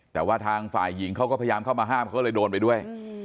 แต่ว่าทางฝ่ายหญิงเขาก็พยายามเข้ามาห้ามเขาเลยโดนไปด้วย